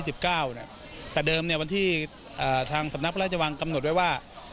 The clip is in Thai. แต่เดิมทางสำนักพระราชจังหวังกำหนดไว้ว่า